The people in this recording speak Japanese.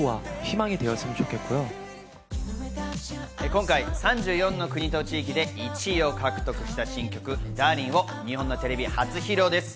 今回、３４の国と地域で１位を獲得した新曲『Ｄａｒｌ＋ｉｎｇ』を日本のテレビ初披露です。